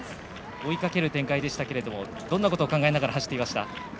追いかける展開でしたがどんなことを考えながら走っていました？